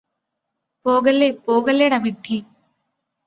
പോകല്ലേ പോകല്ലേടാ വിഡ്ഢീ